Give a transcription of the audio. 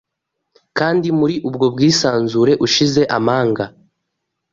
kandi, muri ubwo bwisanzure, ushize amanga;